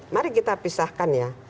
mari kita pisahkan ya